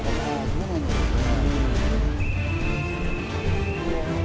どうなんだろうね。